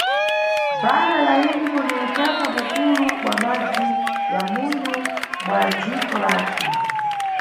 Bhara la Indiko ni utaka bukulu bwa madzi ya munyu bwa dziko lathu.